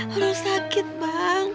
perut sakit bang